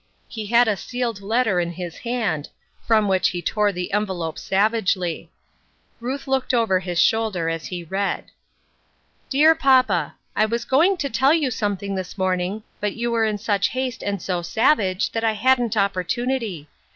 He had a sealed letter in his hand, from which he tore the envelope savagely. Ruth looked over his shoulder as he read : Dear Papa: I was going to tell you something this morning, but you were in such haste and so savage that I hadn't opportunity.